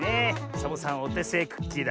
サボさんおてせいクッキーだ。